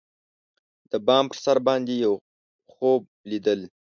د بام پر سر باندی یوخوب لیدل